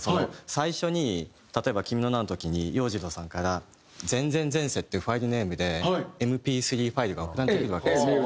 最初に例えば『君の名は。』の時に洋次郎さんから『前前前世』っていうファイルネームでＭＰ３ファイルが送られてくるわけですよ。